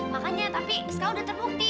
makanya tapi sekarang udah terbukti